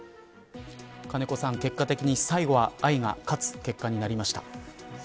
金子さん、結果的に最後は愛が勝つ結果になりました。